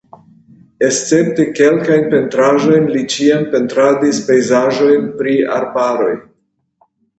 Escepte kelkajn pentraĵojn li ĉiam pentradis pejzaĝojn pri arbaroj.